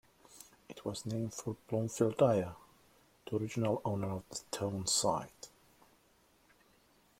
It was named for Bloomfield Dyer, the original owner of the town site.